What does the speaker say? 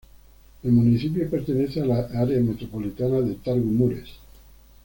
El municipio pertenece a la Área metropolitana de Târgu Mureş.